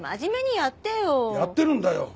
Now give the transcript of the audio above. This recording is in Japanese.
やってるんだよ！